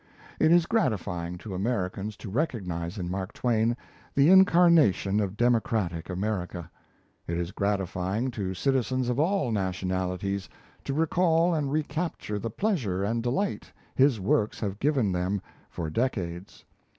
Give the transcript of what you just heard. It is gratifying to Americans to recognize in Mark Twain the incarnation of democratic America. It is gratifying to citizens of all nationalities to recall and recapture the pleasure and delight his works have given them for decades.